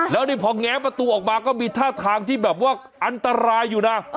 แล้วนี่พอแง้มประตูออกมาก็มีท่าทางที่แบบว่าอันตรายอยู่นะ